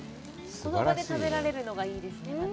その場で食べられるのがいいですね。